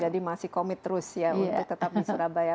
jadi masih komit terus ya untuk tetap di surabaya